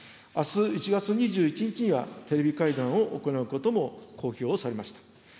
あす１月２１日には、テレビ会談を行うことも公表をされました。